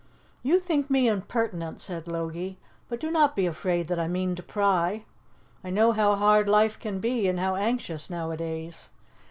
"You think me impertinent," said Logie, "but do not be afraid that I mean to pry. I know how hard life can be and how anxious, nowadays.